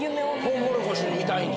トウモロコシみたいに？